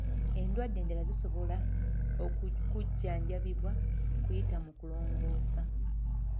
Endwadde endala zisobola kujjanjabibwa kuyita mu kulongoosa